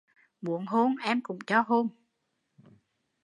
Muốn hôn em cũng cho hôn